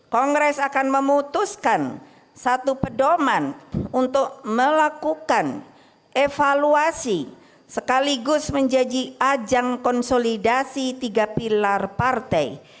kongres akan memutuskan satu pedoman untuk melakukan evaluasi sekaligus menjadi ajang konsolidasi tiga pilar partai